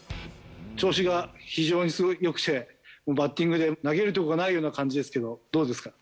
調子が非常に、すごいよくて、バッティングで投げるとこがないような感じですけど、どうですか？